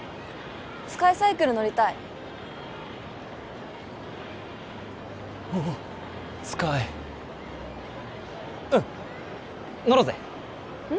スカイサイクル乗りたいおおスカイうん乗ろうぜうん？